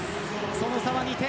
その差は２点。